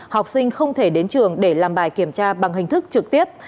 học sinh không thể đến trường để làm bài kiểm tra bằng hình thức trực tiếp